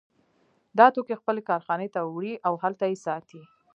دا توکي خپلې کارخانې ته وړي او هلته یې ساتي